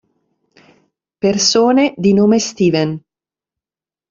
Persone di nome Steven